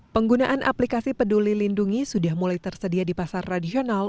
penggunaan aplikasi peduli lindungi sudah mulai tersedia di pasar tradisional